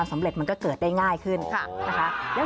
สวัสดีค่ะ